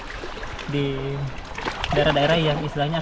oke jadi biar tidak terganggu pertumbuhannya ya